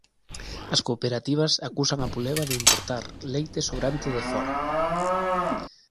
As cooperativas acusan a Puleva de importar leite sobrante de fóra